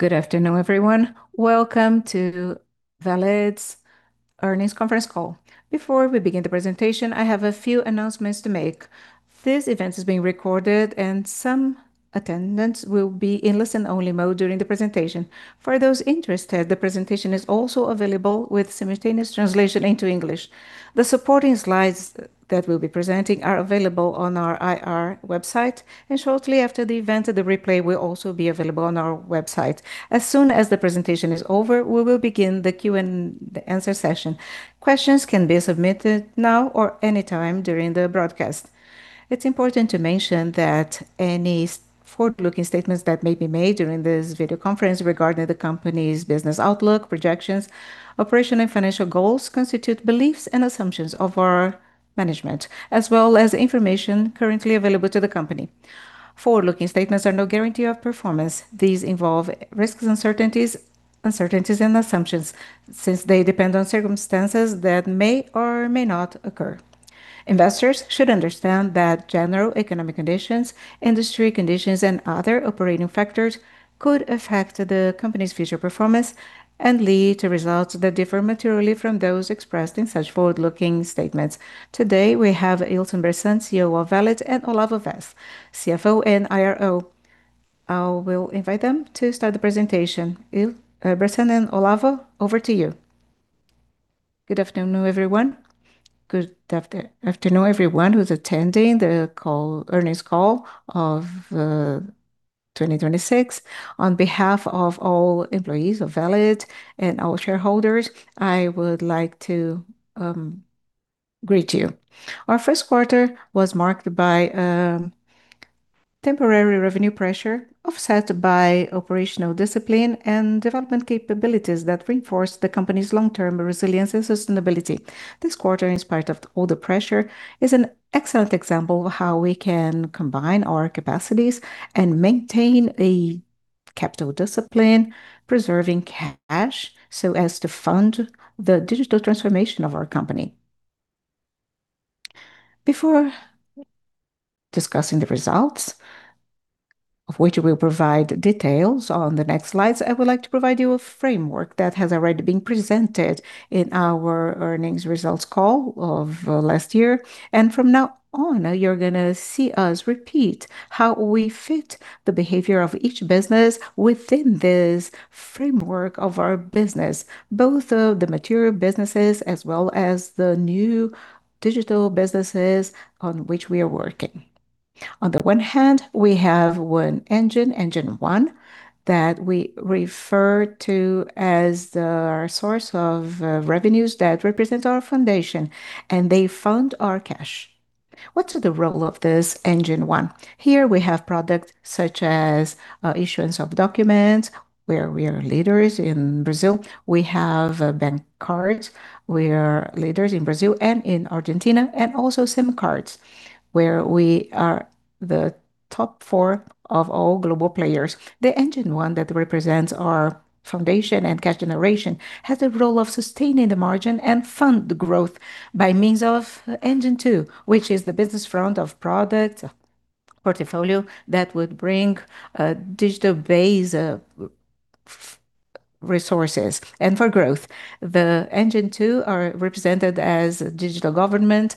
Good afternoon, everyone. Welcome to Valid's Earnings Conference Call. Before we begin the presentation, I have a few announcements to make. This event is being recorded, and some attendants will be in listen-only mode during the presentation. For those interested, the presentation is also available with simultaneous translation into English. The supporting slides that we'll be presenting are available on our IR website, and shortly after the event, the replay will also be available on our website. As soon as the presentation is over, we will begin the Q&A session. Questions can be submitted now or any time during the broadcast. It's important to mention that any forward-looking statements that may be made during this video conference regarding the company's business outlook, projections, operation and financial goals constitute beliefs and assumptions of our management, as well as information currently available to the company. Forward-looking statements are no guarantee of performance. These involve risks, uncertainties and assumptions, since they depend on circumstances that may or may not occur. Investors should understand that general economic conditions, industry conditions, and other operating factors could affect the company's future performance and lead to results that differ materially from those expressed in such forward-looking statements. Today, we have Ilson Bressan, CEO of Valid, and Olavo Vaz, CFO and IRO. I will invite them to start the presentation. Il Bressan and Olavo, over to you. Good afternoon, everyone. Good afternoon everyone who's attending the call, earnings call of 2026. On behalf of all employees of Valid and all shareholders, I would like to greet you. Our first quarter was marked by temporary revenue pressure offset by operational discipline and development capabilities that reinforce the company's long-term resilience and sustainability. This quarter, in spite of all the pressure, is an excellent example of how we can combine our capacities and maintain a capital discipline, preserving cash so as to fund the digital transformation of our company. Before discussing the results, of which we'll provide details on the next slides, I would like to provide you a framework that has already been presented in our earnings results call of last year. From now on, you're gonna see us repeat how we fit the behavior of each business within this framework of our business, both of the material businesses as well as the new digital businesses on which we are working. On the one hand, we have one engine, Engine 1, that we refer to as the source of revenues that represent our foundation, and they fund our cash. What's the role of this Engine 1? Here we have products such as issuance of documents, where we are leaders in Brazil. We have bank cards. We are leaders in Brazil and in Argentina. Also, SIM cards, where we are the top four of all global players. The Engine 1 that represents our foundation and cash generation has a role of sustaining the margin and fund the growth by means of Engine 2, which is the business front of product portfolio that would bring a digital base of resources and for growth. The Engine 2 are represented as digital government,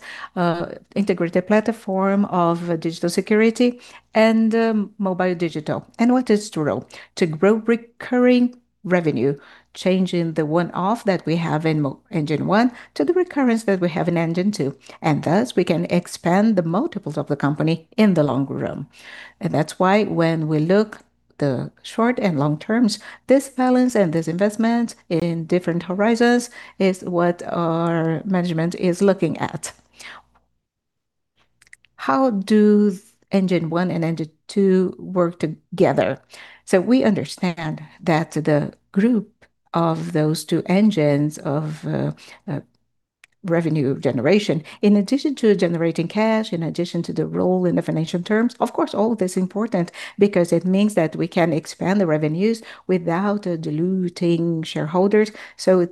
integrated platform of digital security and mobile digital. What is its role? To grow recurring revenue, changing the one-off that we have in Engine 1 to the recurrence that we have in Engine 2, and thus we can expand the multiples of the company in the long run. That's why when we look the short and long terms, this balance and this investment in different horizons is what our management is looking at. How do Engine 1 and Engine 2 work together? We understand that the group of those two engines of revenue generation, in addition to generating cash, in addition to the role in the financial terms, of course, all that's important because it means that we can expand the revenues without diluting shareholders.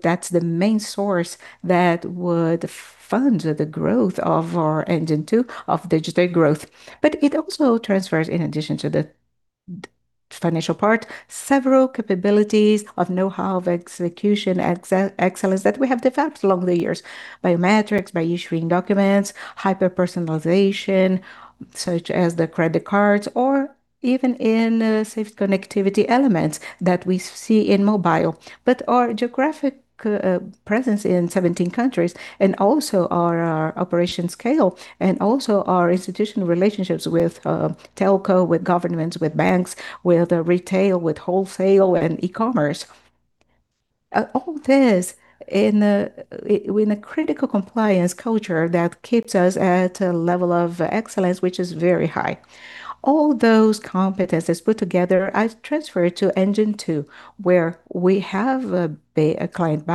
That's the main source that would fund the growth of our Engine 2, of digital growth. It also transfers, in addition to the financial part, several capabilities of knowhow of execution excellence that we have developed along the years. Biometrics, by issuing documents, hyper-personalization, such as the credit cards, or even in safe connectivity elements that we see in Mobile. Our geographic presence in 17 countries and also our operation scale and also our institutional relationships with telco, with governments, with banks, with retail, with wholesale and e-commerce. All this in a critical compliance culture that keeps us at a level of excellence which is very high. All those competencies put together are transferred to Engine 2, where we have a client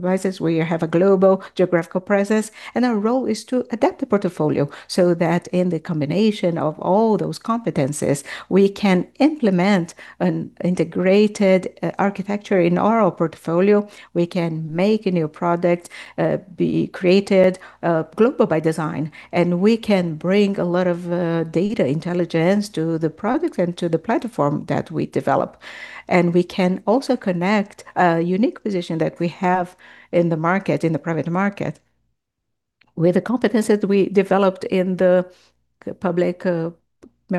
business, we have a global geographical presence, and our role is to adapt the portfolio so that in the combination of all those competencies, we can implement an integrated architecture in our portfolio. We can make a new product be created global by design, and we can bring a lot of data intelligence to the product and to the platform that we develop. We can also connect a unique position that we have in the market, in the private market with the competencies we developed in the public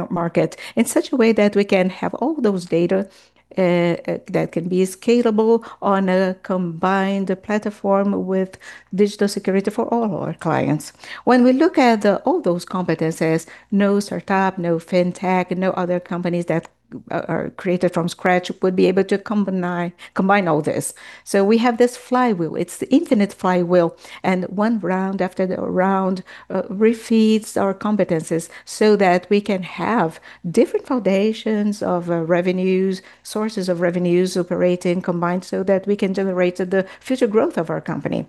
market in such a way that we can have all those data that can be scalable on a combined platform with digital security for all our clients. When we look at all those competencies, no startup, no fintech, and no other companies that are created from scratch would be able to combine all this. We have this flywheel. It's the infinite flywheel, and one round after the round refeeds our competencies so that we can have different foundations of revenues, sources of revenues operating combined so that we can generate the future growth of our company.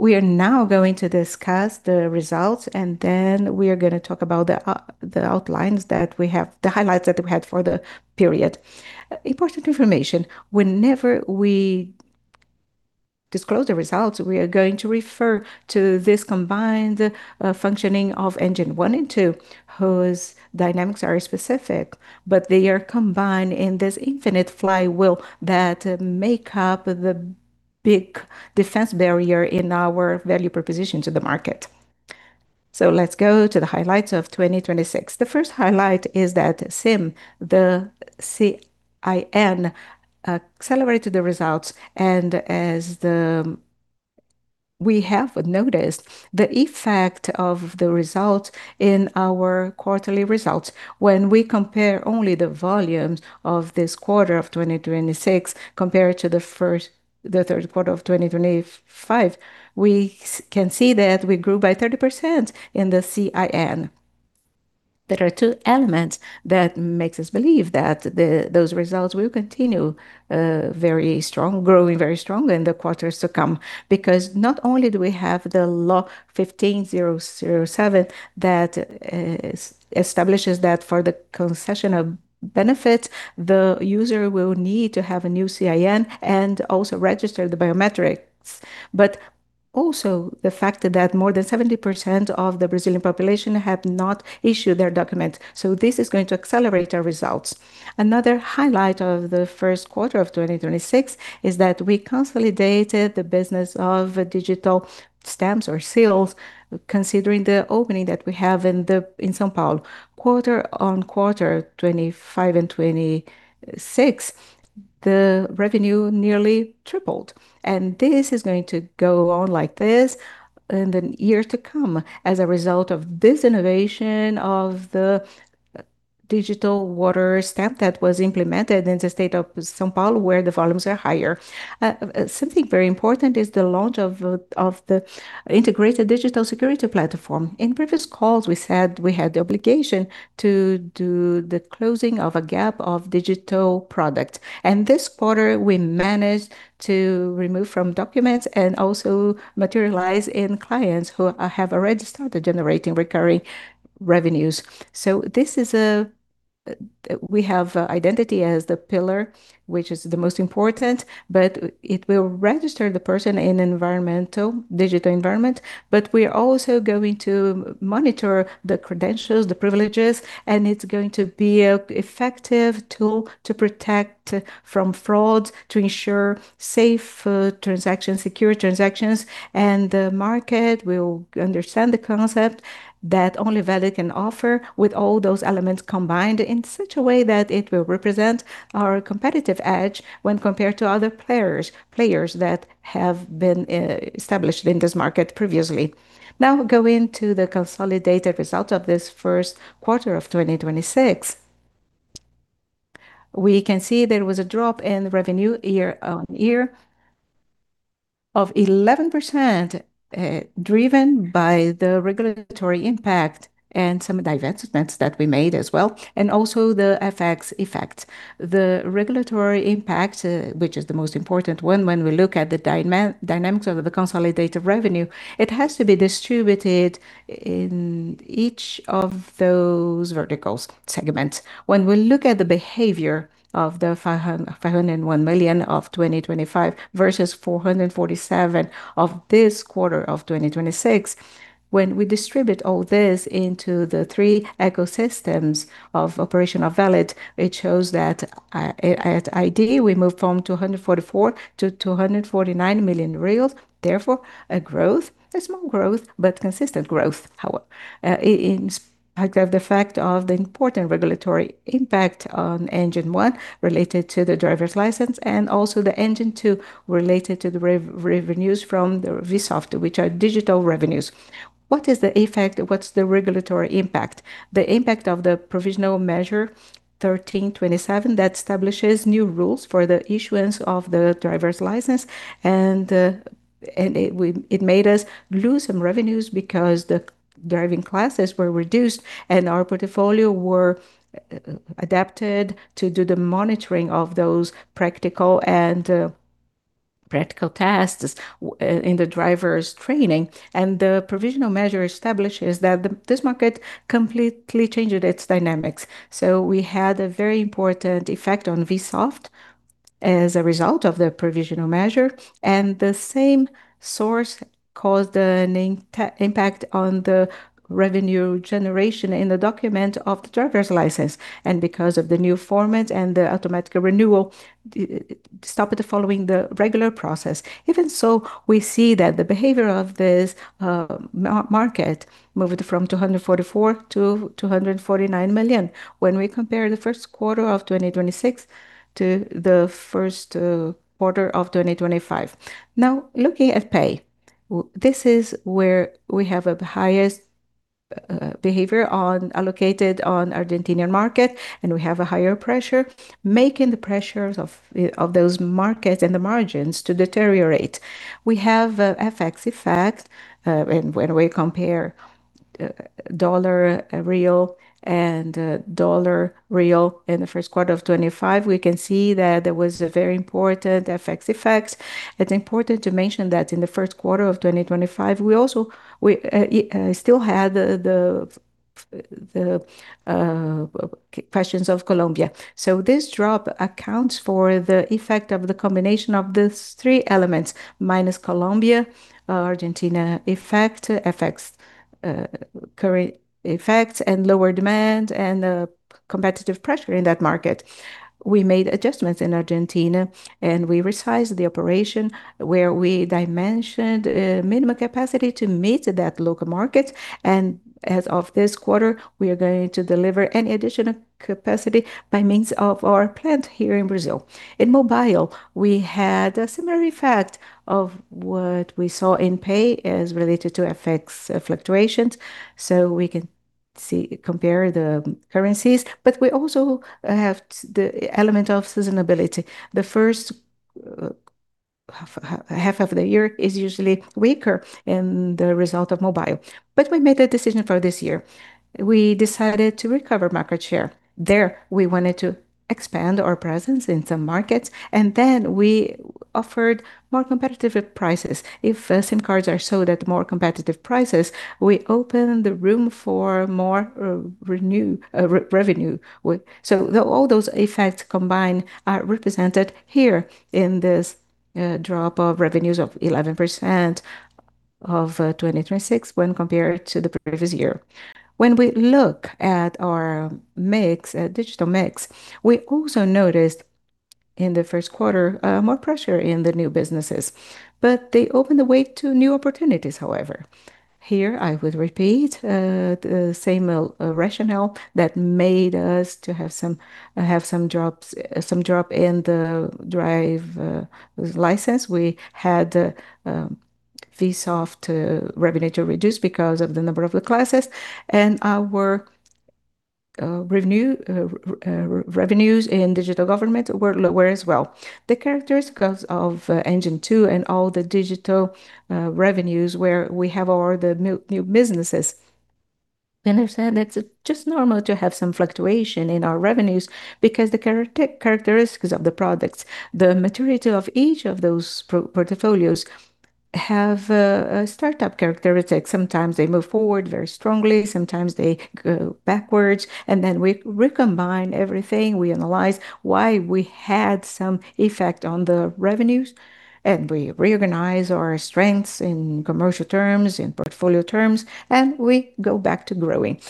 We are now going to discuss the results, and then we are going to talk about the outlines that we have, the highlights that we had for the period. Important information, whenever we disclose the results, we are going to refer to this combined functioning of Engine 1 and 2, whose dynamics are specific, but they are combined in this infinite flywheel that make up the big defense barrier in our value proposition to the market. Let's go to the highlights of 2026. The first highlight is that CIN, the C-I-N, accelerated the results. As we have noticed the effect of the result in our quarterly results. When we compare only the volumes of this quarter of 2026 compared to the first, the third quarter of 2025, we can see that we grew by 30% in the CIN. There are two elements that makes us believe that those results will continue very strong, growing very strong in the quarters to come. Not only do we have the law 15007 that establishes that for the concession of benefit, the user will need to have a new CIN and also register the biometrics, but also the fact that more than 70% of the Brazilian population have not issued their document. This is going to accelerate our results. Another highlight of the first quarter of 2026 is that we consolidated the business of digital stamps or seals considering the opening that we have in São Paulo. Quarter-on-quarter 2025 and 2026, the revenue nearly tripled. This is going to go on like this in the year to come as a result of this innovation of the digital watermark stamp that was implemented in the state of São Paulo, where the volumes are higher. Something very important is the launch of the integrated digital security platform. In previous calls, we said we had the obligation to do the closing of a gap of digital products. This quarter, we managed to remove from documents and also materialize in clients who have already started generating recurring revenues. We have identity as the pillar, which is the most important, but it will register the person in environmental, digital environment, but we are also going to monitor the credentials, the privileges, and it's going to be an effective tool to protect from fraud, to ensure safe transaction, secure transactions. The market will understand the concept that only Valid can offer with all those elements combined in such a way that it will represent our competitive edge when compared to other players that have been established in this market previously. Going to the consolidated result of this first quarter of 2026. We can see there was a drop in revenue year-on-year of 11% driven by the regulatory impact and some divestments that we made as well, and also the FX effect. The regulatory impact, which is the most important one when we look at the dynamics of the consolidated revenue, it has to be distributed in each of those vertical's segments. When we look at the behavior of the 501 million of 2025 versus 447 million of this quarter of 2026, when we distribute all this into the three ecosystems of operational Valid, it shows that, at ID, we moved from 244 million-249 million real. Therefore, a growth, a small growth, but consistent growth however, in spite of the fact of the important regulatory impact on Engine 1 related to the driver's license and also the Engine 2 related to the revenues from the Vsoft, which are digital revenues. What is the effect? What's the regulatory impact? The impact of the provisional measure 1327 that establishes new rules for the issuance of the driver's license, and it made us lose some revenues because the driving classes were reduced and our portfolio were adapted to do the monitoring of those practical tests in the driver's training. The provisional measure establishes that this market completely changed its dynamics. We had a very important effect on Vsoft as a result of the provisional measure, and the same source caused an impact on the revenue generation in the document of the driver's license. Because of the new format and the automatic renewal, it stopped following the regular process. Even so, we see that the behavior of this market moved from 244 million-249 million when we compare the first quarter of 2026 to the first quarter of 2025. Looking at Pay. This is where we have the highest behavior on, allocated on Argentinian market, and we have a higher pressure, making the pressures of those markets and the margins to deteriorate. We have a FX effect, and when we compare dollar-real and dollar-real in the first quarter of 2025, we can see that there was a very important FX effect. It's important to mention that in the first quarter of 2025, we still had the questions of Colombia. This drop accounts for the effect of the combination of these three elements, minus Colombia, Argentina effect, FX effect, and lower demand and the competitive pressure in that market. We made adjustments in Argentina, and we resized the operation where we dimensioned minimum capacity to meet that local market. As of this quarter, we are going to deliver any additional capacity by means of our plant here in Brazil. In Mobile, we had a similar effect of what we saw in Pay as related to FX fluctuations, we can compare the currencies, but we also have the element of sustainability. The first half of the year is usually weaker in the result of Mobile. We made a decision for this year. We decided to recover market share. There we wanted to expand our presence in some markets, then we offered more competitive prices. If SIM cards are sold at more competitive prices, we open the room for more revenue with. All those effects combined are represented here in this drop of revenues of 11% of 2026 when compared to the previous year. When we look at our mix, digital mix, we also noticed in the first quarter more pressure in the new businesses. They open the way to new opportunities, however. I would repeat the same rationale that made us to have some drops, some drop in the drive license. We had Vsoft revenue to reduce because of the number of classes, and our revenue revenues in digital government were as well. The characteristics of Engine 2 and all the digital revenues where we have all the new businesses. I said it's just normal to have some fluctuation in our revenues because the characteristics of the products, the maturity of each of those portfolios have a startup characteristic. Sometimes they move forward very strongly, sometimes they go backwards, then we recombine everything. We analyze why we had some effect on the revenues, we reorganize our strengths in commercial terms, in portfolio terms, we go back to growing.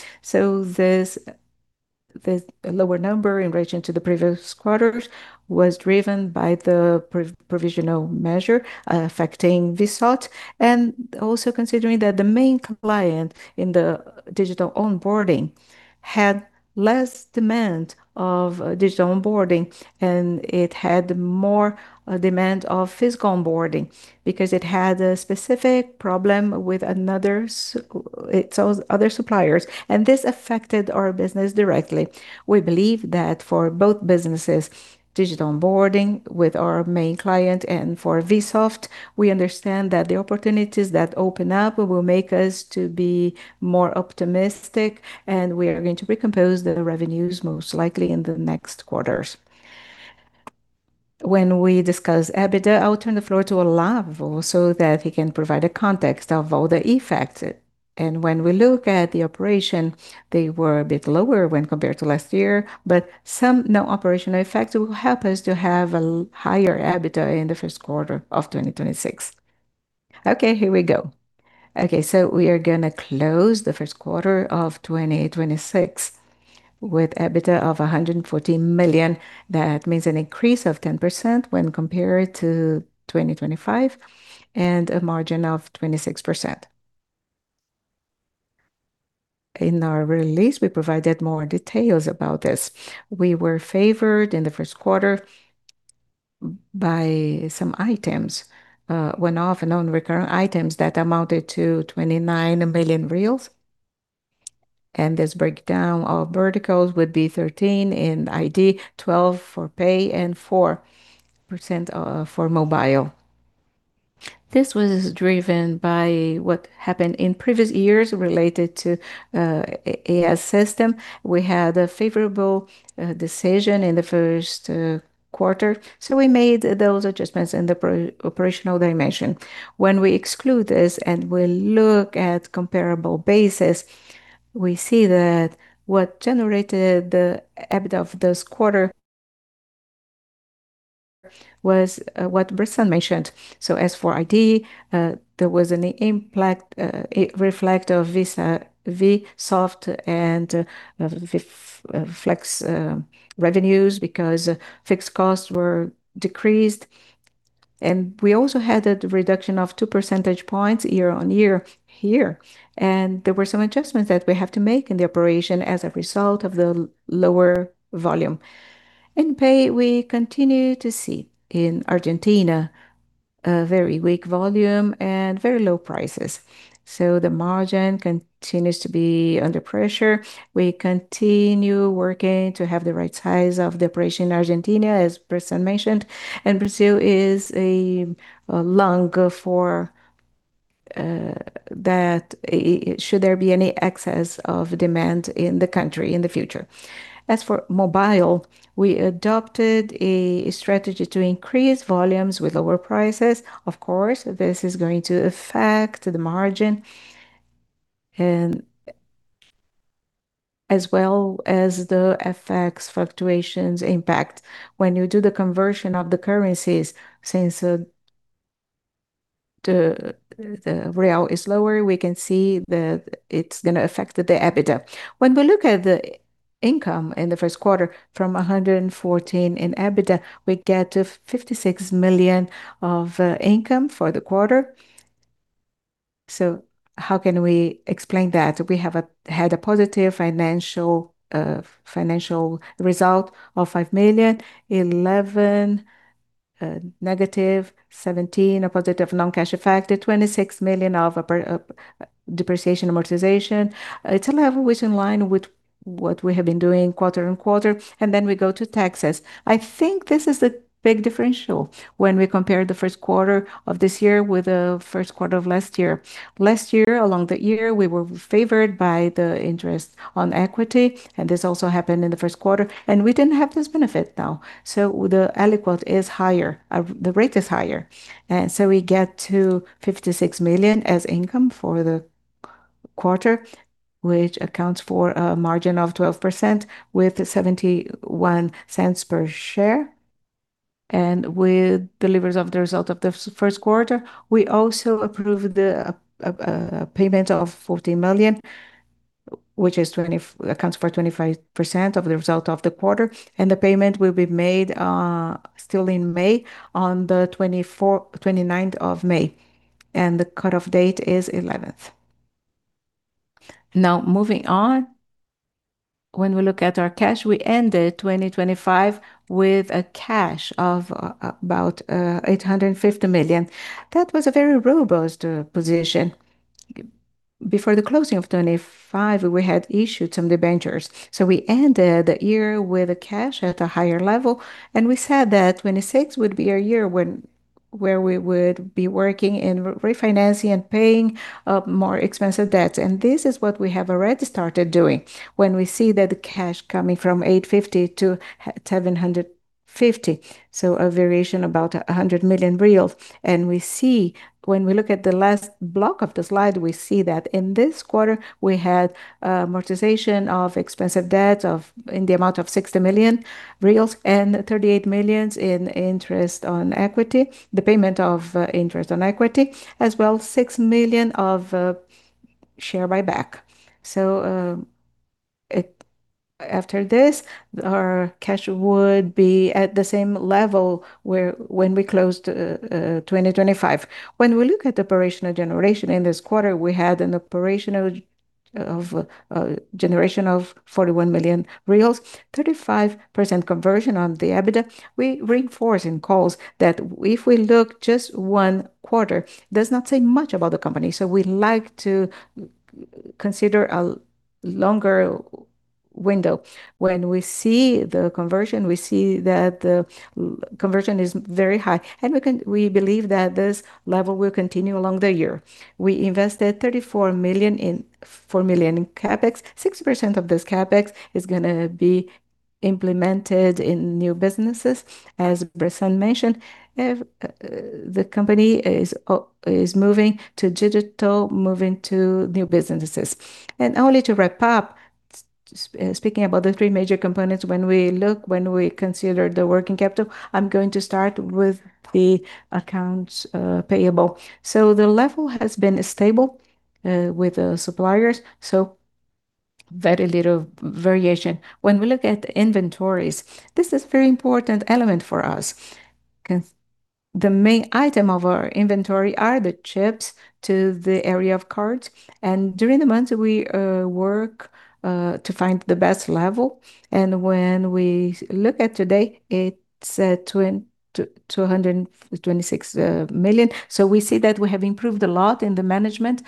This lower number in relation to the previous quarters was driven by the provisional measure, affecting Vsoft, and also considering that the main client in the digital onboarding had less demand of digital onboarding, and it had more demand of physical onboarding because it had a specific problem with its other suppliers, and this affected our business directly. We believe that for both businesses, digital onboarding with our main client and for Vsoft, we understand that the opportunities that open up will make us to be more optimistic, and we are going to recompose the revenues most likely in the next quarters. When we discuss EBITDA, I will turn the floor to Olavo so that he can provide a context of all the effects. When we look at the operation, they were a bit lower when compared to last year, but some non-operational effects will help us to have a higher EBITDA in the first quarter of 2026. We are gonna close the first quarter of 2026 with EBITDA of 140 million. That means an increase of 10% when compared to 2025 and a margin of 26%. In our release, we provided more details about this. We were favored in the first quarter by some items, one-off and non-recurring items that amounted to 29 million reais. This breakdown of verticals would be 13 in ID, 12 for Pay, and 4% for Mobile. This was driven by what happened in previous years related to Sistema S. We had a favorable decision in the first quarter. We made those adjustments in the pro- operational dimension. When we exclude this and we look at comparable basis, we see that what generated the EBITDA of this quarter was what Bressan mentioned. As for ID, there was a reflect of Vsoft and the Flexdoc revenues because fixed costs were decreased. We also had a reduction of two percentage points year on year here, and there were some adjustments that we have to make in the operation as a result of the lower volume. In Pay, we continue to see in Argentina a very weak volume and very low prices. The margin continues to be under pressure. We continue working to have the right size of the operation in Argentina, as Bressan mentioned. Brazil is a lung for that should there be any excess of demand in the country in the future. As for Mobile, we adopted a strategy to increase volumes with lower prices. Of course, this is going to affect the margin and as well as the FX fluctuations impact. When you do the conversion of the currencies, since the real is lower, we can see that it's going to affect the EBITDA. When we look at the income in the first quarter, from 114 million in EBITDA, we get to 56 million of income for the quarter. How can we explain that? We had a positive financial result of 5 million, 11 negative, 17, a positive non-cash effect, 26 million of depreciation amortization. It's a level which in line with what we have been doing quarter and quarter. We go to taxes. I think this is a big differential when we compare the first quarter of this year with the first quarter of last year. Last year, along the year, we were favored by the interest on equity. This also happened in the first quarter. We didn't have this benefit now. The effective tax rate is higher. The rate is higher. We get to 56 million as income for the quarter, which accounts for a margin of 12% with 0.71 per share. With deliveries of the result of the first quarter, we also approved the payment of 40 million, which accounts for 25% of the result of the quarter. The payment will be made still in May, on the 29th of May. The cut-off date is 11th. Moving on. When we look at our cash, we ended 2025 with a cash of about 850 million. That was a very robust position. Before the closing of 2025, we had issued some debentures. We ended the year with a cash at a higher level, and we said that 2026 would be a year where we would be working in refinancing and paying more expensive debts. This is what we have already started doing. When we see that cash coming from 850 to 750, a variation about 100 million reais. We see, when we look at the last block of the slide, we see that in this quarter we had amortization of expensive debt of, in the amount of 60 million reais and 38 million in interest on equity, the payment of interest on equity, as well as 6 million of share buyback. After this, our cash would be at the same level when we closed 2025. When we look at the operational generation in this quarter, we had an operational of a generation of 41 million, 35% conversion on the EBITDA. We reinforce in calls that if we look just one quarter, does not say much about the company, so we like to consider a longer window. When we see the conversion, we see that the conversion is very high. We believe that this level will continue along the year. We invested 4 million in CapEx. 6% of this CapEx is gonna be implemented in new businesses. As Bressan mentioned, the company is moving to digital, moving to new businesses. Only to wrap up, speaking about the three major components, when we look, when we consider the working capital, I'm going to start with the accounts payable. The level has been stable with the suppliers, very little variation. When we look at inventories, this is very important element for us 'cause the main item of our inventory are the chips to the area of cards. During the month, we work to find the best level. When we look at today, it's 226 million. We see that we have improved a lot in the management.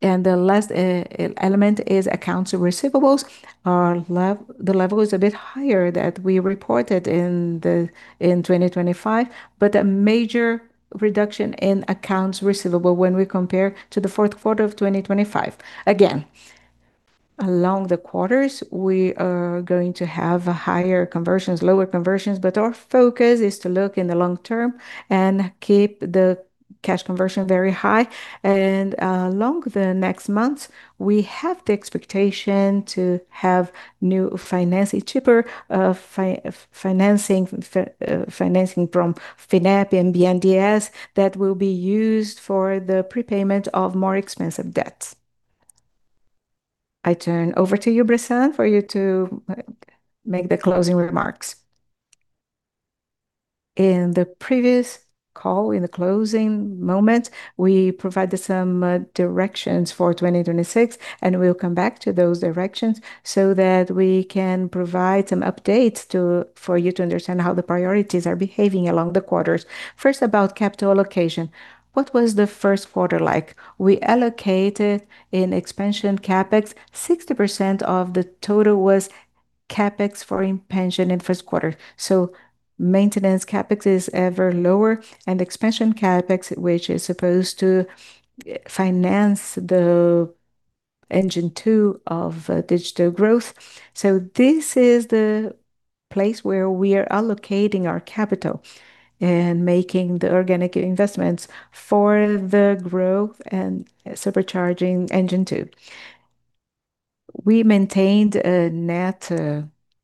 The last element is accounts receivables. The level is a bit higher that we reported in 2025, but a major reduction in accounts receivable when we compare to the fourth quarter of 2025. Along the quarters, we are going to have higher conversions, lower conversions, but our focus is to look in the long term and keep the cash conversion very high. Along the next months, we have the expectation to have new finance, a cheaper financing from FINEP and BNDES that will be used for the prepayment of more expensive debts. I turn over to you, Bressan, for you to make the closing remarks. In the previous call, in the closing moments, we provided some directions for 2026, we'll come back to those directions so that we can provide some updates for you to understand how the priorities are behaving along the quarters. First, about capital allocation. What was the first quarter like? We allocated in expansion CapEx. 60% of the total was CapEx for expansion in first quarter. Maintenance CapEx is ever lower, and expansion CapEx, which is supposed to finance the Engine 2 of digital growth. This is the place where we are allocating our capital and making the organic investments for the growth and supercharging Engine 2. We maintained a net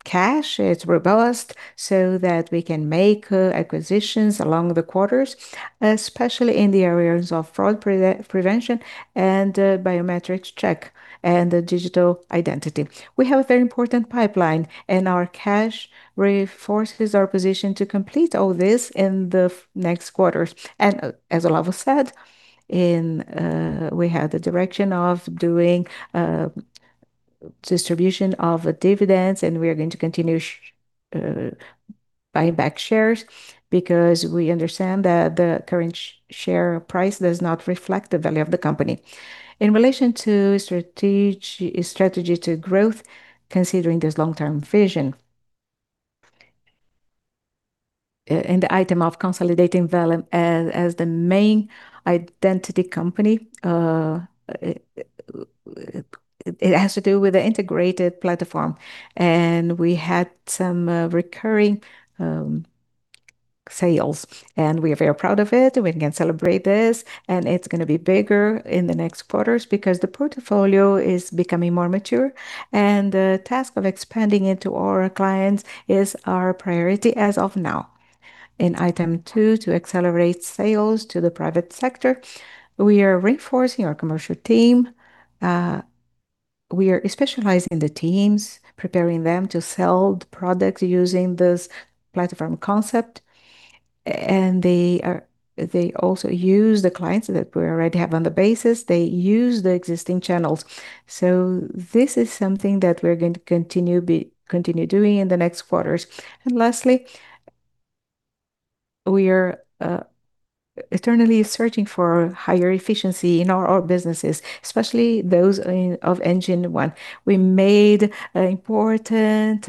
cash. It's robust so that we can make acquisitions along the quarters, especially in the areas of fraud prevention and biometrics check and digital identity. We have a very important pipeline. Our cash reinforces our position to complete all this in the next quarters. As Olavo said, in we have the direction of doing distribution of dividends, and we are going to continue buying back shares because we understand that the current share price does not reflect the value of the company. In relation to strategy to growth, considering this long-term vision. In the item of consolidating Valid as the main identity company, it has to do with the integrated platform. We had some recurring sales. We are very proud of it. We can celebrate this. It's gonna be bigger in the next quarters because the portfolio is becoming more mature. The task of expanding it to our clients is our priority as of now. In item two, to accelerate sales to the private sector, we are reinforcing our commercial team. We are specializing the teams, preparing them to sell the products using this platform concept. They also use the clients that we already have on the basis. They use the existing channels. This is something that we're going to continue doing in the next quarters. Lastly, we are eternally searching for higher efficiency in our businesses, especially those of Engine 1. We made important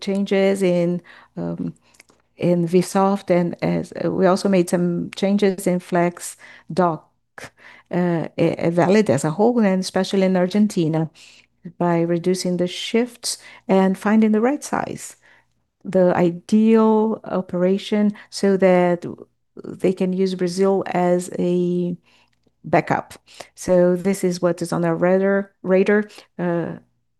changes in Vsoft, we also made some changes in Flexdoc, Valid as a whole and especially in Argentina by reducing the shifts and finding the right size, the ideal operation, so that they can use Brazil as a backup. This is what is on our radar.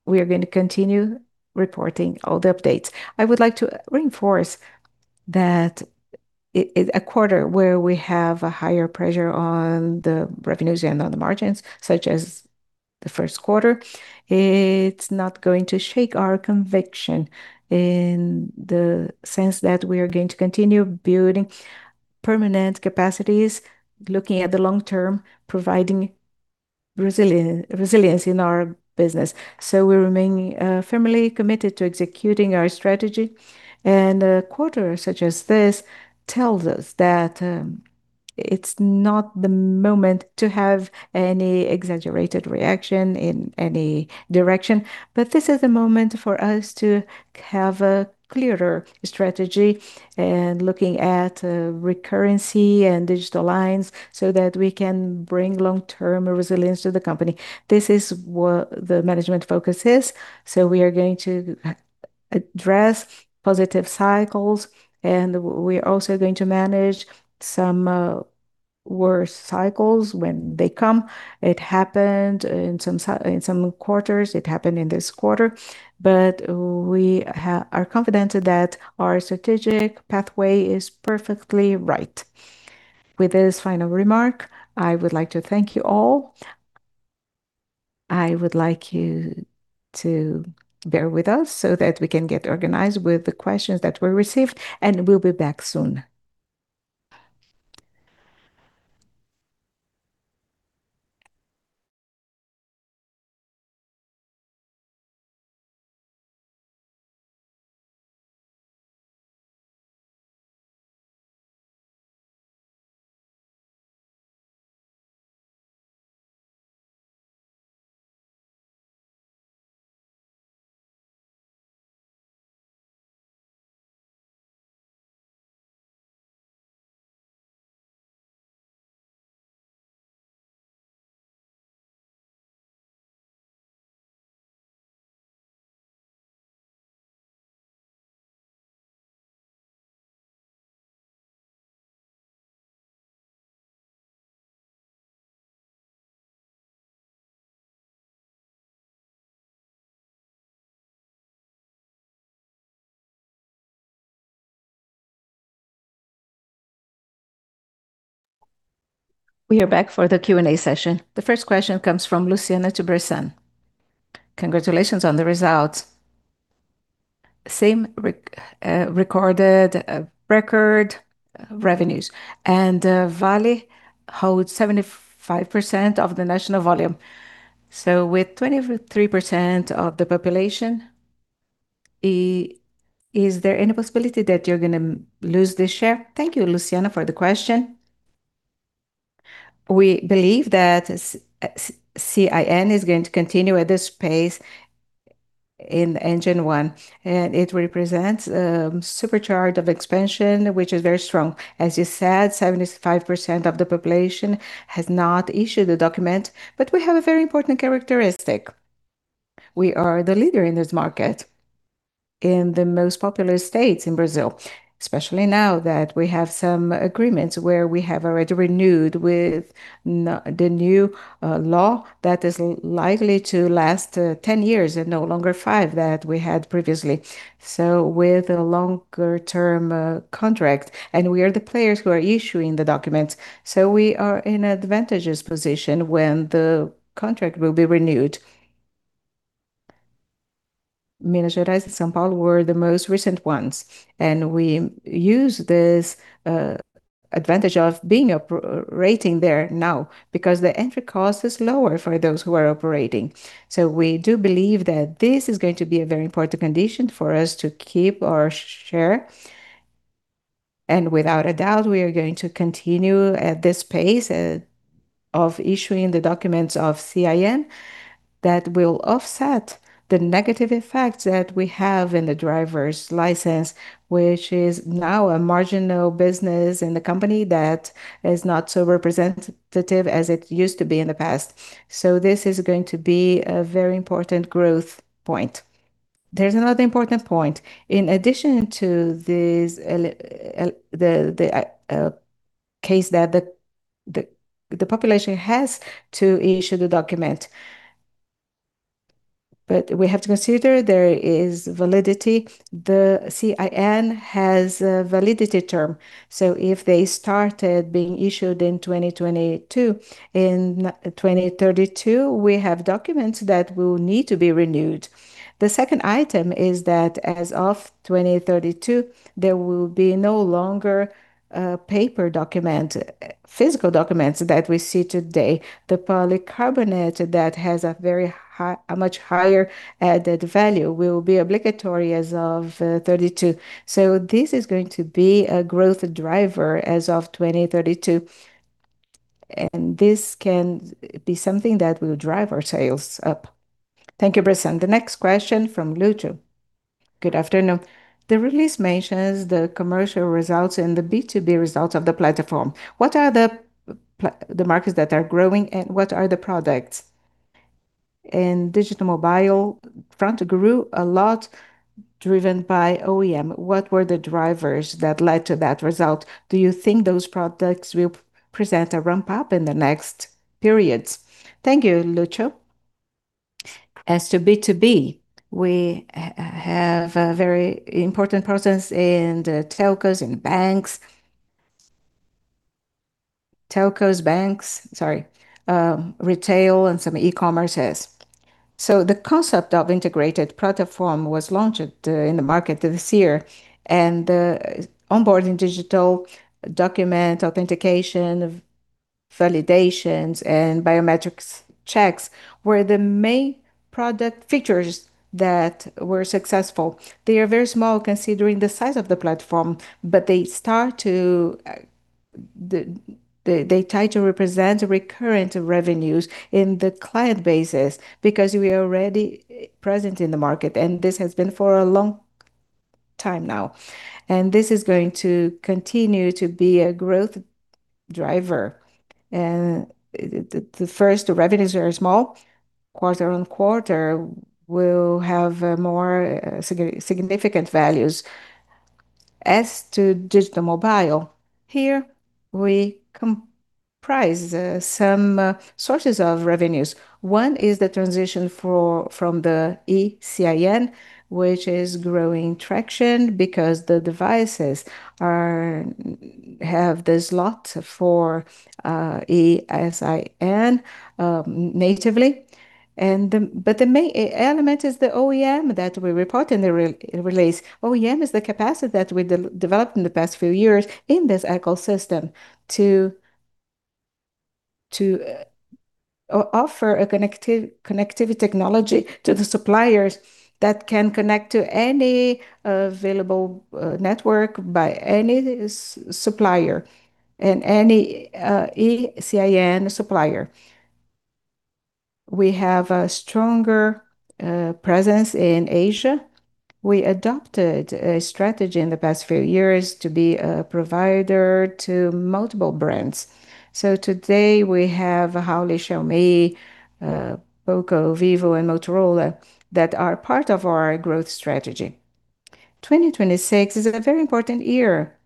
We are gonna continue reporting all the updates. I would like to reinforce that a quarter where we have a higher pressure on the revenues and on the margins, such as the first quarter, it's not going to shake our conviction in the sense that we are going to continue building permanent capacities, looking at the long term, providing resilience in our business. We remain firmly committed to executing our strategy. A quarter such as this tells us that it's not the moment to have any exaggerated reaction in any direction. This is a moment for us to have a clearer strategy and looking at recurrency and digital lines so that we can bring long-term resilience to the company. This is what the management focus is. We are going to address positive cycles, and we are also going to manage some worse cycles when they come. It happened in some quarters. It happened in this quarter. We are confident that our strategic pathway is perfectly right. With this final remark, I would like to thank you all. I would like you to bear with us so that we can get organized with the questions that were received, and we'll be back soon. We are back for the Q&A session. The first question comes from Luciana Tuberson. Congratulations on the results. Same revenues. Valid holds 75% of the national volume. With 23% of the population, is there any possibility that you're gonna lose this share? Thank you, Luciana, for the question. We believe that CIN is going to continue at this pace in Engine 1, and it represents supercharge of expansion, which is very strong. As you said, 75% of the population has not issued the document, but we have a very important characteristic. We are the leader in this market in the most populous states in Brazil, especially now that we have some agreements where we have already renewed with the new law that is likely to last 10 years and no longer five that we had previously. With a longer term contract, and we are the players who are issuing the documents, so we are in advantageous position when the contract will be renewed. Minas Gerais and São Paulo were the most recent ones, and we use this advantage of being operating there now because the entry cost is lower for those who are operating. We do believe that this is going to be a very important condition for us to keep our share. Without a doubt, we are going to continue at this pace of issuing the documents of CIN that will offset the negative effects that we have in the driver's license, which is now a marginal business in the company that is not so representative as it used to be in the past. This is going to be a very important growth point. There's another important point. In addition to this case that the population has to issue the document, but we have to consider there is validity. The CIN has a validity term, so if they started being issued in 2022, in 2032, we have documents that will need to be renewed. The second item is that as of 2032, there will be no longer a paper document, physical documents that we see today. The polycarbonate that has a very high, a much higher added value will be obligatory as of 2032. This is going to be a growth driver as of 2032, and this can be something that will drive our sales up. Thank you, Bressan. The next question from Lucho. Good afternoon. The release mentions the commercial results and the B2B results of the platform. What are the markets that are growing, and what are the products? In digital mobile, front grew a lot driven by OEM. What were the drivers that led to that result? Do you think those products will present a ramp-up in the next periods? Thank you, Lucho. As to B2B, we have a very important presence in the telcos and banks. Telcos, banks, sorry, retail, and some e-commerce has. The concept of integrated platform was launched in the market this year. Onboarding digital document authentication of validations and biometrics checks were the main product features that were successful. They are very small considering the size of the platform, but they start to, they try to represent recurrent revenues in the client bases because we are already present in the market, and this has been for a long time now. This is going to continue to be a growth driver. The first revenues are small. Quarter on quarter will have more significant values. As to digital Mobile, here we comprise some sources of revenues. One is the transition from the CIN, which is growing traction because the devices have the slot for eSIM natively. But the main element is the OEM that we report in the release. OEM is the capacity that we developed in the past few years in this ecosystem to offer a connectivity technology to the suppliers that can connect to any available network by any supplier and any eSIM supplier. We have a stronger presence in Asia. We adopted a strategy in the past few years to be a provider to multiple brands. Today we have Huawei, Xiaomi, Poco, Vivo, and Motorola that are part of our growth strategy 2026 is a very important year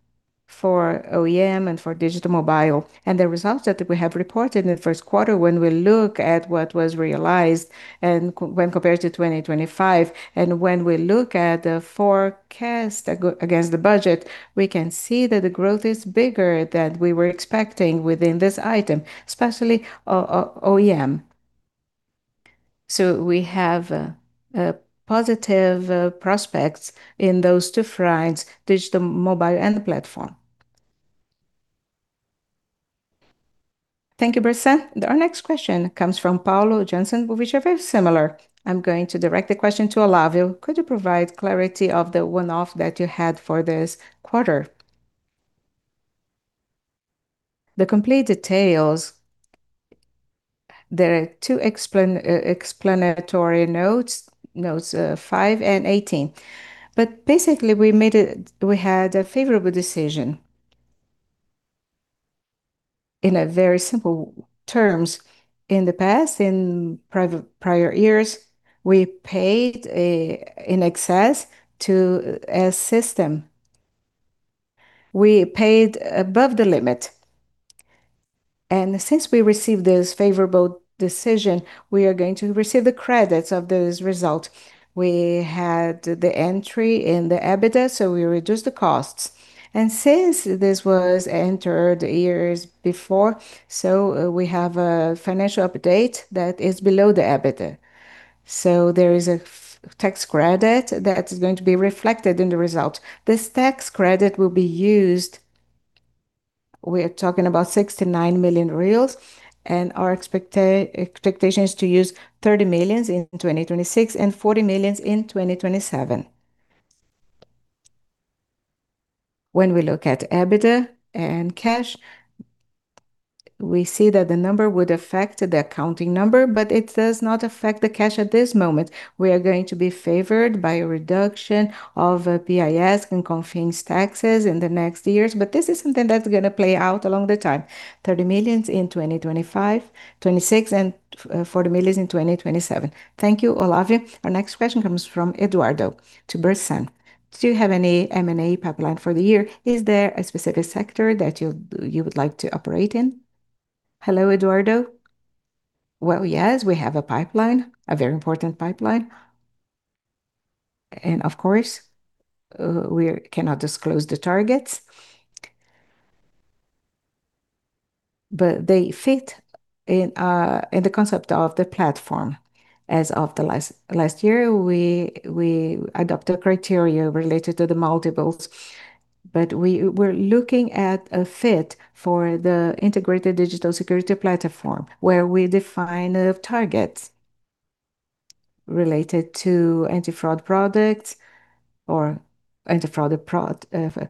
for OEM and for digital Mobile. The results that we have reported in the first quarter when we look at what was realized and when compared to 2025, and when we look at the forecast against the budget, we can see that the growth is bigger than we were expecting within this item, especially OEM. We have positive prospects in those two fronts, digital Mobile and the platform. Thank you, Bressan. Our next question comes from Paulo, Johnson, which are very similar. I'm going to direct the question to Olavo. Could you provide clarity of the one-off that you had for this quarter? The complete details, there are two explanatory notes, five and 18. Basically we had a favorable decision. In very simple terms, in the past, in prior years, we paid in excess to a system. We paid above the limit. Since we received this favorable decision, we are going to receive the credits of those results. We had the entry in the EBITDA, so we reduced the costs. Since this was entered years before, we have a financial update that is below the EBITDA. There is a tax credit that is going to be reflected in the result. This tax credit will be used. We are talking about 69 million, and our expectation is to use 30 million in 2026 and 40 million in 2027. When we look at EBITDA and cash, we see that the number would affect the accounting number, but it does not affect the cash at this moment. We are going to be favored by a reduction of PIS and COFINS taxes in the next years. This is something that's gonna play out along the time. 30 million in 2025, 2026, and 40 million in 2027. Thank you, Olavo. Our next question comes from Eduardo to Bressan. Do you have any M&A pipeline for the year? Is there a specific sector that you would like to operate in? Hello, Eduardo. Yes, we have a pipeline, a very important pipeline. Of course, we cannot disclose the targets. They fit in the concept of the platform. As of the last year, we adopted criteria related to the multiples. We're looking at a fit for the integrated digital security platform where we define the targets related to anti-fraud products or anti-fraud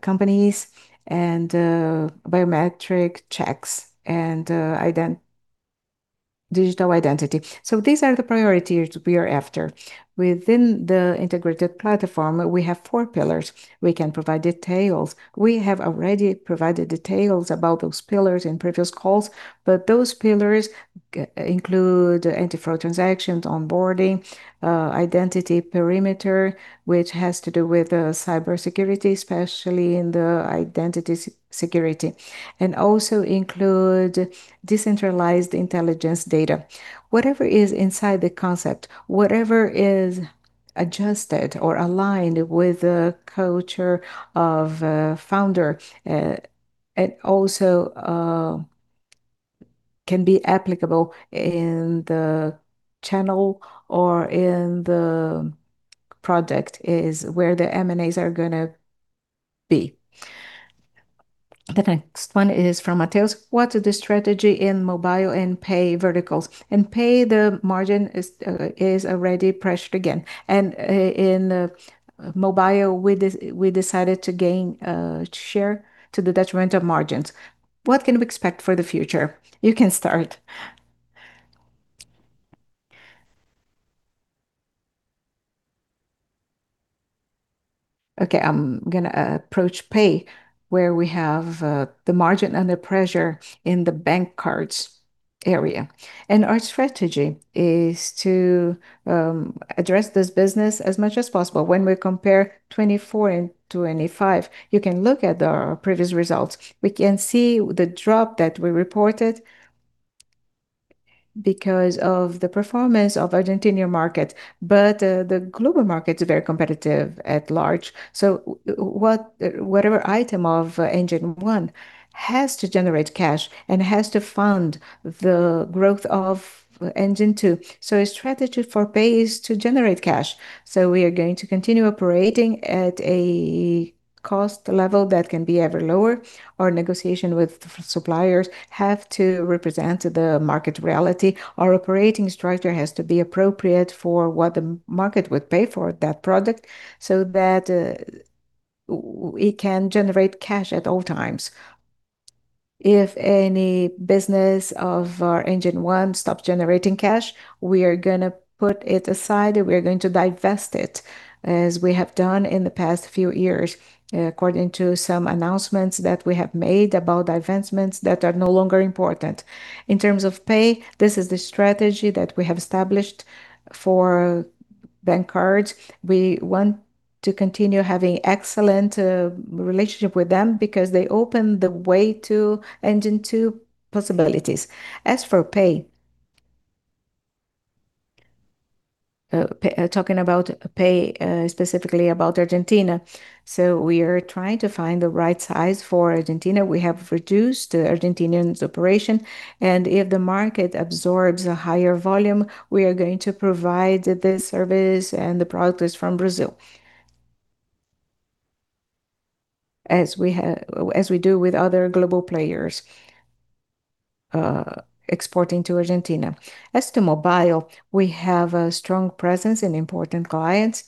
companies and biometric checks and digital identity. These are the priorities we are after. Within the integrated platform, we have four pillars. We can provide details. We have already provided details about those pillars in previous calls. Those pillars include anti-fraud transactions, onboarding, identity perimeter, which has to do with cybersecurity, especially in the identity security. Also include decentralized intelligence data. Whatever is inside the concept, whatever is adjusted or aligned with the culture of a founder, it also can be applicable in the channel or in the project is where the M&As are gonna be. The next one is from Mateus. What is the strategy in Mobile and Pay verticals? In Pay, the margin is already pressured again. In Mobile, we decided to gain share to the detriment of margins. What can we expect for the future? You can start. Okay. I'm gonna approach Pay, where we have the margin under pressure in the bank cards area. Our strategy is to address this business as much as possible. When we compare 2024 and 2025, you can look at our previous results. We can see the drop that we reported because of the performance of Argentinian market. The global market is very competitive at large. Whatever item of Engine 1 has to generate cash and has to fund the growth of Engine 2. A strategy for Pay is to generate cash. We are going to continue operating at a cost level that can be ever lower. Our negotiation with suppliers have to represent the market reality. Our operating structure has to be appropriate for what the market would pay for that product so that we can generate cash at all times. If any business of our Engine 1 stops generating cash, we are gonna put it aside and we are going to divest it as we have done in the past few years, according to some announcements that we have made about divestments that are no longer important. In terms of Pay, this is the strategy that we have established for bank cards. We want to continue having excellent relationship with them because they open the way to Engine 2 possibilities. As for Pay, talking about Pay, specifically about Argentina. We are trying to find the right size for Argentina. We have reduced the Argentinians operation. If the market absorbs a higher volume, we are going to provide the service, and the product is from Brazil. As we do with other global players, exporting to Argentina. As to Mobile, we have a strong presence in important clients,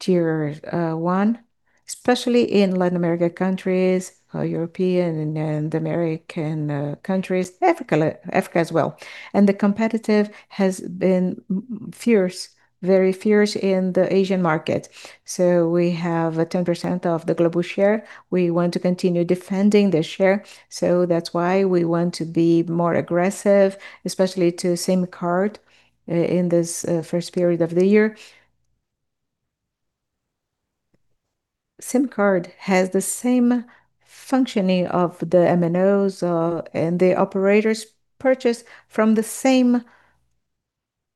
tier one, especially in Latin America countries, European and American countries, Africa as well. The competitive has been fierce, very fierce in the Asian market. We have a 10% of the global share. We want to continue defending the share, that's why we want to be more aggressive, especially to SIM card in this first period of the year. SIM card has the same functioning of the MNOs; the operators purchase from the same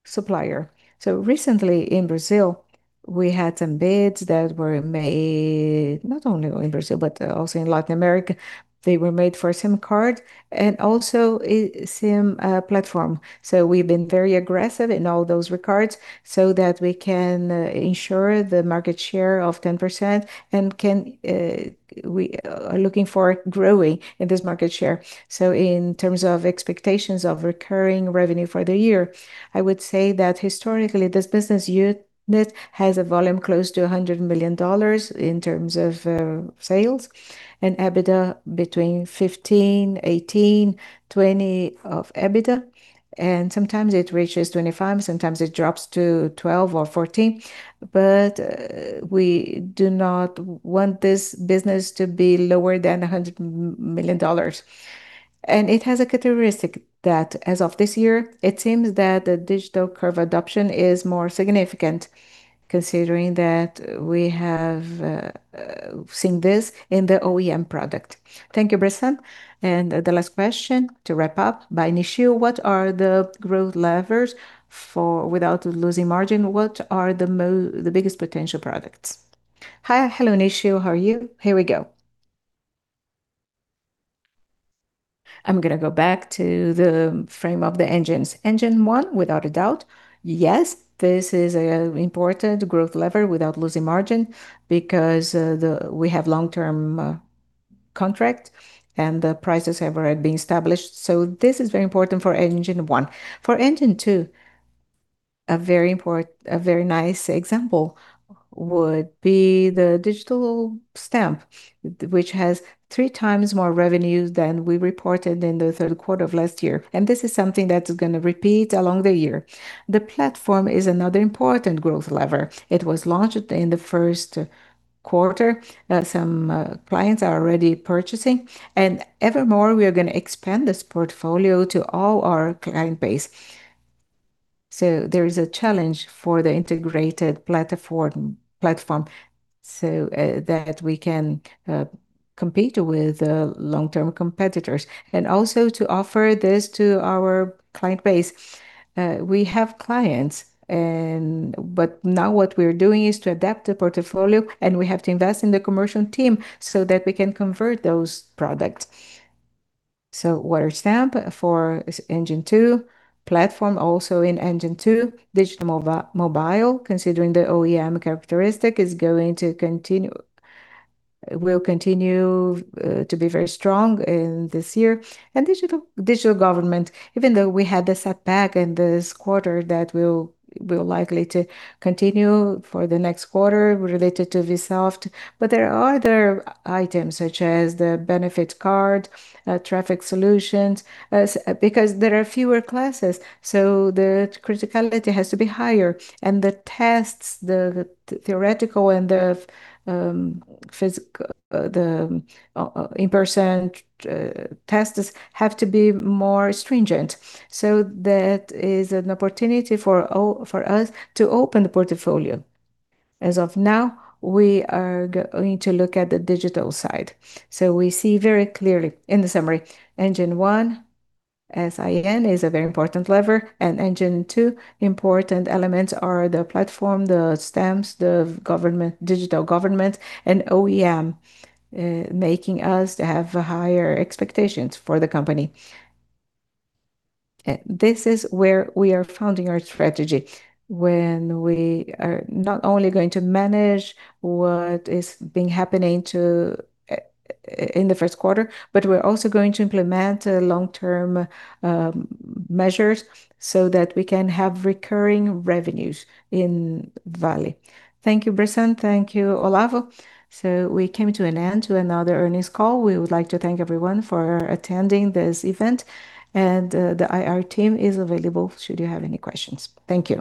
supplier. Recently in Brazil, we had some bids that were made, not only in Brazil, but also in Latin America. They were made for SIM card and also a SIM platform. We've been very aggressive in all those regards so that we can ensure the market share of 10% and we are looking for growing in this market share. In terms of expectations of recurring revenue for the year, I would say that historically, this business unit has a volume close to $100 million in terms of sales and EBITDA between 15%, 18%, 20% of EBITDA, and sometimes it reaches 25%, sometimes it drops to 12% or 14%. We do not want this business to be lower than $100 million. It has a characteristic that as of this year, it seems that the digital curve adoption is more significant considering that we have seen this in the OEM product. Thank you, Bressan. The last question to wrap up by Nishio, what are the growth levers without losing margin, what are the biggest potential products? Hi. Hello, Nishio. How are you? Here we go. I'm going to go back to the frame of the engines. Engine 1, without a doubt, yes, this is an important growth lever without losing margin because we have long-term contract and the prices have already been established. This is very important for Engine 1. For Engine 2, a very nice example would be the digital stamp, which has 3x more revenues than we reported in the third quarter of last year. This is something that's gonna repeat along the year. The platform is another important growth lever. It was launched in the first quarter. Some clients are already purchasing. Evermore, we are gonna expand this portfolio to all our client base. There is a challenge for the integrated platform, so that we can compete with long-term competitors. Also to offer this to our client base. We have clients, but now what we're doing is to adapt the portfolio, and we have to invest in the commercial team so that we can convert those products. Water stamp for Engine 2, platform also in Engine 2. Digital Mobile, considering the OEM characteristic, will continue to be very strong in this year. Digital, digital government, even though we had a setback in this quarter that will likely continue for the next quarter related to Vsoft. There are other items such as the benefit card, traffic solutions, because there are fewer classes, the criticality has to be higher. The tests, the theoretical and the in-person testers have to be more stringent. That is an opportunity for us to open the portfolio. As of now, we are going to look at the digital side. We see very clearly in the summary, Engine 1, CIN is a very important lever, and Engine 2 important elements are the platform, the stamps, digital government and OEM, making us to have higher expectations for the company. This is where we are founding our strategy when we are not only going to manage what is being happening in the first quarter, but we're also going to implement long-term measures so that we can have recurring revenues in Valid. Thank you, Bressan. Thank you, Olavo. We came to an end to another earnings call. We would like to thank everyone for attending this event. The IR team is available should you have any questions. Thank you.